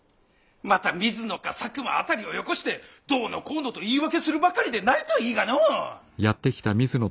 また水野か佐久間辺りをよこしてどうのこうのと言い訳するばかりでないといいがのう！